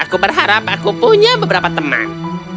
aku berharap aku punya beberapa teman